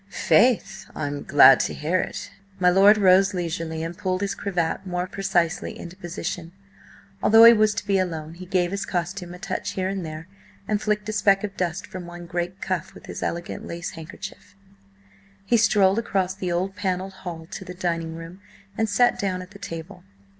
"Faith! I'm glad to hear it!" My lord rose leisurely and pulled his cravat more precisely into position. Although he was to be alone, he gave his costume a touch here and there, and flicked a speck of dust from one great cuff with his elegant lace handkerchief. He strolled across the old panelled hall to the dining room, and sat down at the table.